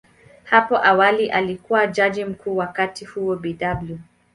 Hapo awali alikuwa Jaji Mkuu, wakati huo Bw.